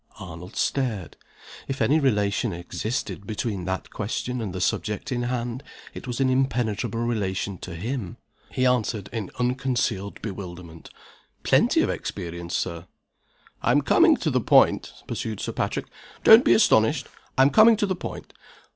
Arnold stared. If any relation existed between that question and the subject in hand it was an impenetrable relation to him. He answered, in unconcealed bewilderment, "Plenty of experience, Sir." "I'm coming to the point," pursued Sir Patrick. "Don't be astonished. I'm coming to the point.